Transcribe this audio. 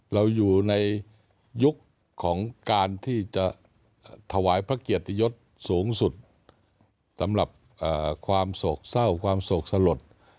เราอยู่ในยุคของการที่จะถวายพระเกียรติยศสูงสุดสำหรับความโศกเศร้าความโศกสลด